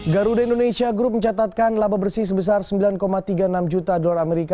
garuda indonesia group mencatatkan laba bersih sebesar sembilan tiga puluh enam juta dolar amerika